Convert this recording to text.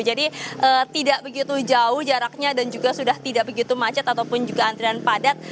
jadi tidak begitu jauh jaraknya dan juga sudah tidak begitu macet ataupun juga antrian padat